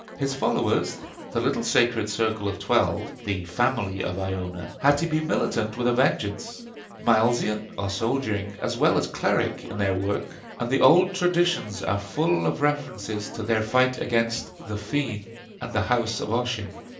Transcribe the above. His followers, the little sacred circle of twelve, 'the Family of Iona,' had to be militant with a vengeance: Milesian or soldiering as well as cleric, in their work; and the old traditions are full of references to their fight against the Féinne and the house of Ossian.